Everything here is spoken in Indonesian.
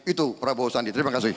itu prabowo sandi terima kasih